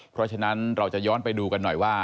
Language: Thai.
เพราะฉะนั้นเราจะย้อนไปดูกันหน่อยว่า